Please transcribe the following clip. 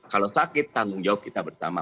kalau sakit tanggung jawab kita bersama